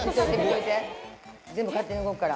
全部勝手に動くから。